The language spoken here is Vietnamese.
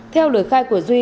theo lời khai của duy